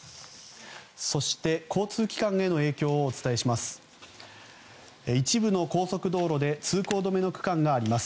そして、交通機関への影響をお伝えします。